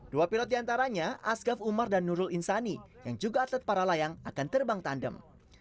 dua pilot diantaranya asgaf umar dan nurul insani yang juga atlet para layang akan terbang tandem